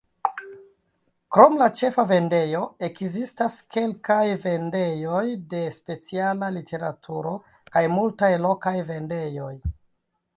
Krom la ĉefa vendejo, ekzistas kelkaj vendejoj de speciala literaturo kaj multaj lokaj vendejoj.